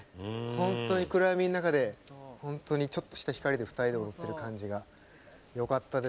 本当に暗闇の中で本当にちょっとした光で２人で踊ってる感じがよかったです。